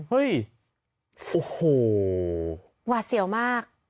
โอ้โหวัดเสี่ยวมาก